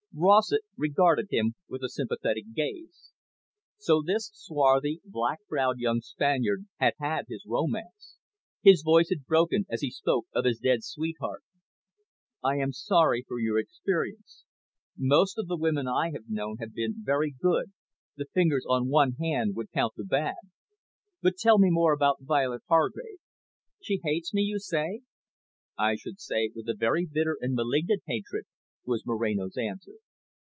Rossett regarded him with a sympathetic gaze. So this swarthy, black browed young Spaniard had had his romance. His voice had broken as he spoke of his dead sweetheart. "I am sorry for your experience. Most of the women I have known have been very good, the fingers of one hand would count the bad. But tell me more about Violet Hargrave. She hates me, you say?" "I should say with a very bitter and malignant hatred," was Moreno's answer.